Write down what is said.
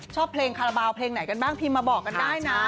ชอบเพลงคาราบาลเพลงไหนกันบ้างพิมพ์มาบอกกันได้นะ